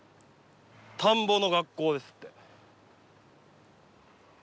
「たんぼの学校」ですって。